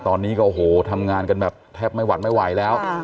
ตอนนี้ก็โอ้โหทำงานกันแบบแทบไม่หวัดไม่ไหวแล้ว